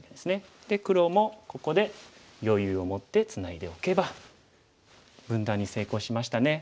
で黒もここで余裕を持ってツナいでおけば分断に成功しましたね。